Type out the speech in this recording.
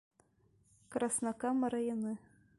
Краснокама районы.